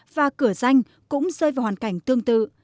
và cửa danh cũng rơi vào hoàn cảnh tương tự